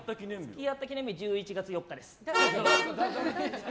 付き合った記念日１１月４日です。